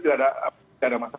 tidak ada masalah